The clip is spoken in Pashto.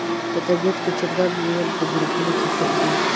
په طبیعت کې چرګان عموماً په ګروپونو کې ګرځي.